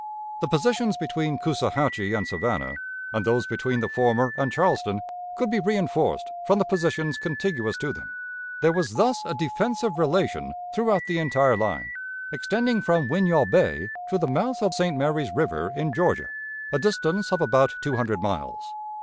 The positions between Coosawhatchee and Savannah, and those between the former and Charleston, could be reënforced from the positions contiguous to them; there was thus a defensive relation throughout the entire line, extending from Winyaw Bay to the mouth of St. Mary's River, in Georgia, a distance of about two hundred miles.